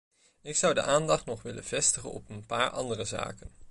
Ik zou de aandacht nog willen vestigen op een paar andere zaken.